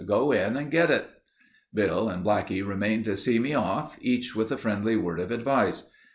Go in and get it." Bill and Blackie remained to see me off, each with a friendly word of advice.